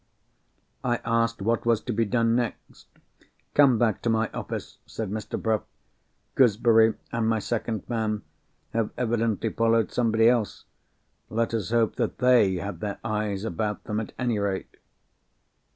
I asked what was to be done next. "Come back to my office," said Mr. Bruff. "Gooseberry, and my second man, have evidently followed somebody else. Let us hope that they had their eyes about them at any rate!"